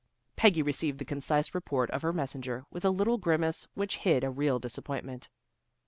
Peggy received the concise report of her messenger with a little grimace which hid a real disappointment.